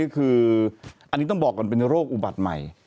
คืออันนี้ต้องบอกก่อนเป็นโรคอุบัติใหม่